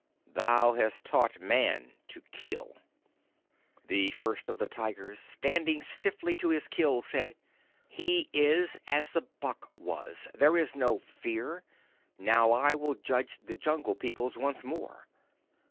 Thou hast taught Man to kill!' "The First of the Tigers, standing stiffly to his kill, said: 'He is as the buck was. There is no Fear. Now I will judge the Jungle Peoples once more."